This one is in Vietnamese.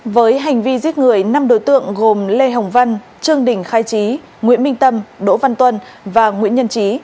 với hành vi giết người năm đối tượng gồm lê hồng văn trương đình khai trí nguyễn minh tâm đỗ văn tuân và nguyễn nhân trí